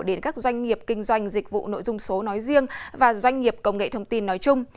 đến các doanh nghiệp kinh doanh dịch vụ nội dung số nói riêng và doanh nghiệp công nghệ thông tin nói chung